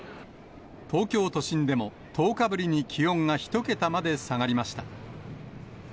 東京都心でも、１０日ぶりに気温が１桁まで下がりました。